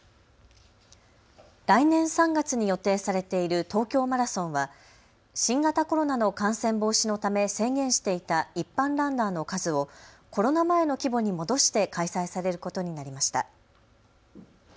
来年３月に予定されている東京マラソンは新型コロナの感染防止のため制限していた一般ランナーの数をコロナ前の規模に戻して開催されることになりました。